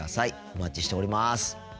お待ちしております。